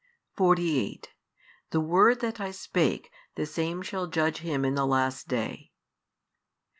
48 The word that I spake, the same shall judge him in the last day.